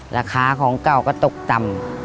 ราคาของเก่าก็ตกต่ำ